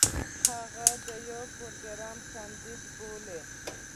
هغه د يو پروګرام کانديد بولي.